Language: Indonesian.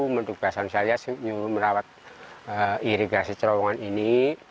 mendugasan saya merawat irigasi terowongan ini